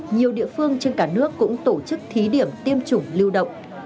nhiều địa phương trên cả nước cũng tổ chức thí điểm tiêm chủng lưu động